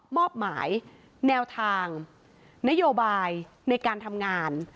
มอบหมายแนวทางนโยบายในการทำงาน